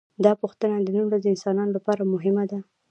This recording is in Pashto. دا پوښتنه د نن ورځې انسانانو لپاره مهمه ده.